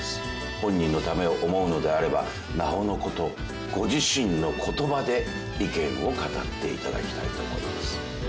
本人のためを思うのであればなおのことご自身の言葉で意見を語っていただきたいと思います。